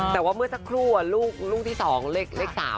แต่ว่าเมื่อสักครู่ลูกที่๒เลข๓